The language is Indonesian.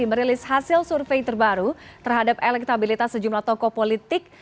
merilis hasil survei terbaru terhadap elektabilitas sejumlah tokoh politik